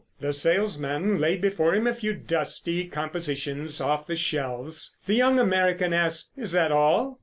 The salesman laid before him a few dusty compositions off the shelves. The young American asked, "Is that all?"